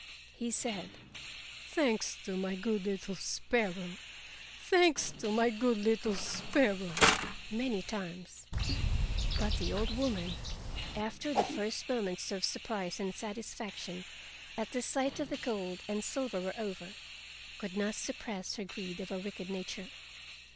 He said: "Thanks to my good little sparrow! Thanks to my good little sparrow!" many times. But the old woman, after the first moments of surprise and satisfaction at the sight of the gold and silver were over, could not suppress the greed of her wicked nature.